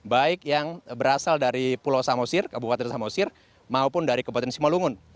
baik yang berasal dari pulau samosir kabupaten samosir maupun dari kabupaten simalungun